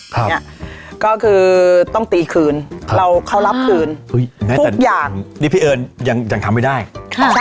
เนี้ยก็คือต้องตีคืนครับเราเขารับคืนเฮ้ยทุกอย่างนี่พี่เอิญยังยังทำไม่ได้ค่ะ